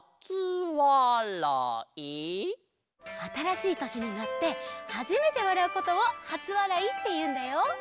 あたらしいとしになってはじめてわらうことをはつわらいっていうんだよ。